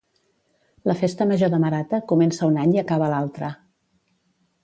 La Festa Major de Marata comença un any i acaba l'altre